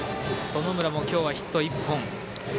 園村も今日はヒット１本。